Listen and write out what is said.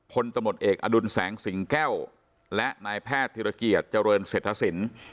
ตมเอกอดุลแสงสิงแก้วและนายแพทย์ธิรเกียจเจริญเศรษฐศิลป์